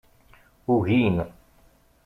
Ugin.